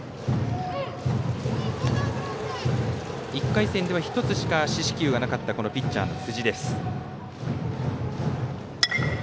１回戦では１つしか四死球がなかったピッチャーの辻。